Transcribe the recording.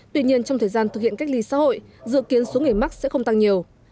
tuy nhiên trong thời gian thực hiện cách ly xã hội dự kiến số người mắc sẽ không tăng nhiều